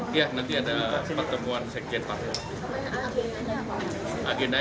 berarti salah satu teknis nanti akan dibahas